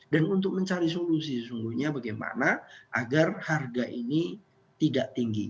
dan untuk mencari solusi sejujurnya bagaimana agar harga ini tidak tinggi